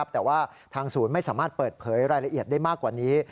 แต่ว่าทางศูนย์ไม่สามารถเปิดเผยรายละเอียดได้มากกว่านี้